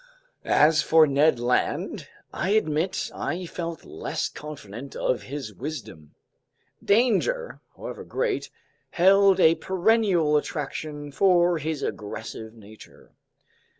As for Ned Land, I admit I felt less confident of his wisdom. Danger, however great, held a perennial attraction for his aggressive nature.